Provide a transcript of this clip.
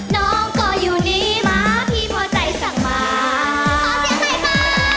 น้องก็อยู่นี่มาพี่โม่ใจสังมา